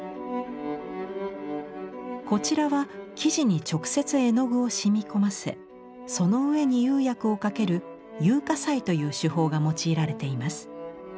こちらは生地に直接絵の具を染み込ませその上に釉薬をかける「釉下彩」という手法が用いられています。